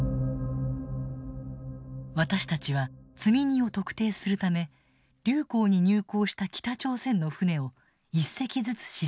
私たちは積み荷を特定するため竜口に入港した北朝鮮の船を一隻ずつ調べた。